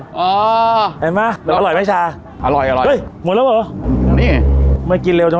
อร่อยอร่อยอร่อยหมดแล้วหรอนี่ไม่กินเร็วจังไงแต่นี่ก็คือเศรษฐกิจกลางคืนอืม